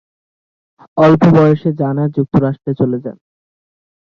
অল্প বয়সে জানা যুক্তরাষ্ট্রে চলে যান।